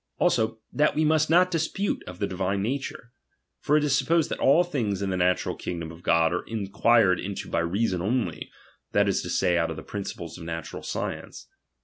Also, that we must ■^ot dispute of the divine nature ; for it is sup posed that all things in the natural kingdom of God are inquired into by reason only, that is to Say, out of the principles of natural science.